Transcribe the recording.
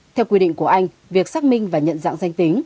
theo quy định của anh việc xác minh và nhận dạng danh tính